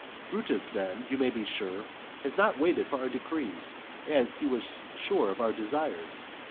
XII Brutus then, you may be sure, has not waited for our decrees, as he was sure of our desires.